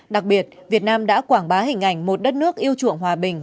đặc biệt việt nam đã quảng bá hình ảnh một đất nước yêu chuộng hòa bình